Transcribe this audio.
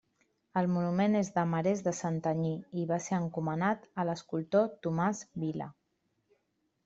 El monument és de marès de Santanyí i va ser encomanat a l'escultor Tomàs Vila.